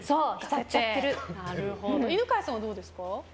犬飼さんはどうですか？